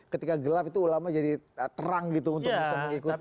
ketika gelap itu ulama jadi terang gitu untuk bisa mengikuti